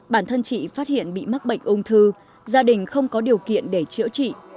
bản thân chị phát hiện bị mắc bệnh ung thư gia đình không có điều kiện để chữa trị